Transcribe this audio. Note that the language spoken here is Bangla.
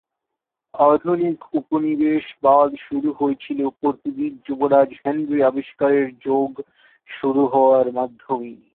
আধুনিক উপনিবেশবাদ শুরু হয়েছিল পর্তুগিজ যুবরাজ হেনরি আবিষ্কারের যুগ শুরু করার মাধ্যমে।